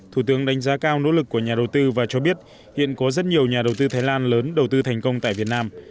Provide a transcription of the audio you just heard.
thủ tướng đánh giá cao nỗ lực của nhà đầu tư và cho biết hiện có rất nhiều nhà đầu tư thái lan lớn đầu tư thành công tại việt nam